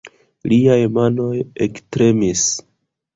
Liaj manoj ektremis.